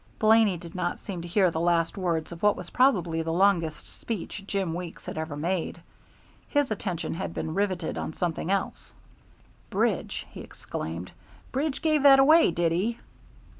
Blaney did not seem to hear the last words of what was probably the longest speech Jim Weeks had ever made. His attention had been riveted on something else. "Bridge," he exclaimed. "Bridge gave that away, did he?"